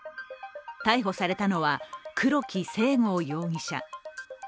逮捕されたのは、黒木正剛容疑者。